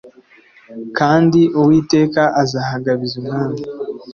kandi Uwiteka azahagabiza umwami”